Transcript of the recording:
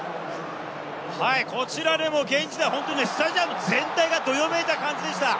こちらでもスタジアム全体がちょっとどよめいた感じでした。